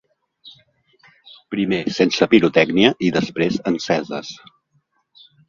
Primer sense pirotècnia i després enceses.